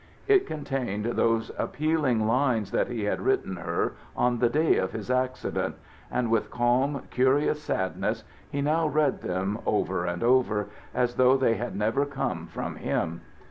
It contained those appealing lines that he had written her on the day of his accident; and with calm, curious sadness he now read them over and over, as though they had never come from him.